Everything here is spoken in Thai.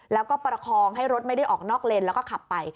แล้วก็ประคองให้รถไม่ได้ออกนอกเลนแล้วก็ขับไป